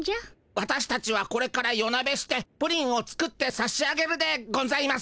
わたしたちはこれから夜なべしてプリンを作ってさしあげるでゴンざいます。